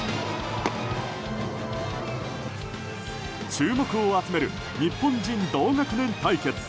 注目を集める日本人同学年対決。